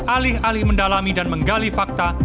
alih alih mendalami dan menggali fakta